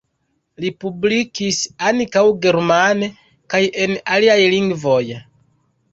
Li publikis ankaŭ germane kaj en aliaj lingvoj.